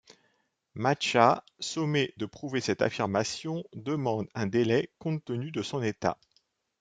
Macha, sommée de prouver cette affirmation, demande un délai, compte tenu de son état.